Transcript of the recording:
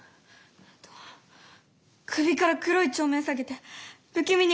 えっと首から黒い帳面下げて不気味に笑って。